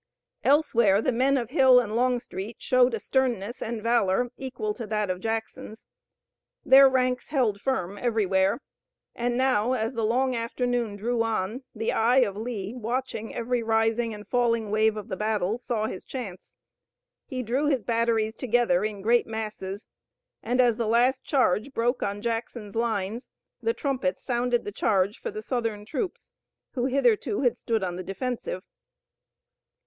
Elsewhere the men of Hill and Longstreet showed a sternness and valor equal to that of Jackson's. Their ranks held firm everywhere, and now, as the long afternoon drew on, the eye of Lee, watching every rising and falling wave of the battle, saw his chance. He drew his batteries together in great masses and as the last charge broke on Jackson's lines the trumpets sounded the charge for the Southern troops who hitherto had stood on the defensive.